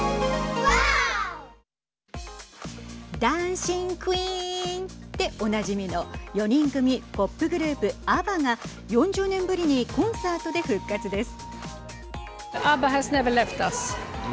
ダンシングクイーンでおなじみの４人組、ポップグループ、アバが４０年ぶりにコンサートで復活です。